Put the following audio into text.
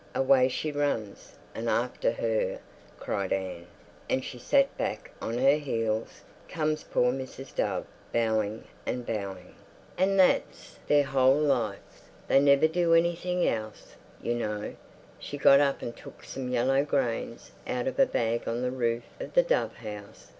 Away she runs, and after her," cried Anne, and she sat back on her heels, "comes poor Mr. Dove, bowing and bowing... and that's their whole life. They never do anything else, you know." She got up and took some yellow grains out of a bag on the roof of the dove house.